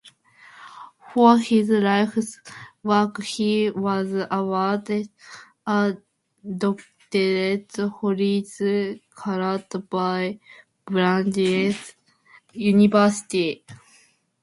For his life's work he was awarded a Doctorate Honoris Causa by Brandeis University.